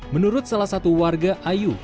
menurut salah satu warga ayu